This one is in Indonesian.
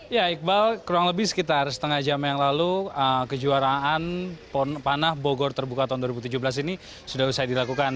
ya iqbal kurang lebih sekitar setengah jam yang lalu kejuaraan panah bogor terbuka tahun dua ribu tujuh belas ini sudah usai dilakukan